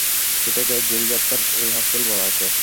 সেটাকে জেলযাত্রার রিহার্সাল বলা হত।